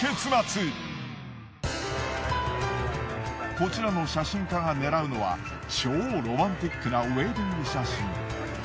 こちらの写真家が狙うのは超ロマンチックなウェディング写真。